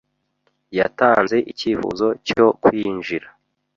Yatanze icyifuzo cyo kwinjira.